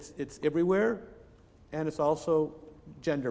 dan juga berdasarkan gender